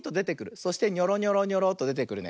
そしてニョロニョロニョロとでてくるね。